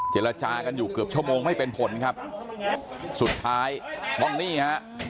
เจรจากันอยู่เกือบชั่วโมงไม่เป็นผลครับสุดท้ายต้องนี่ฮะ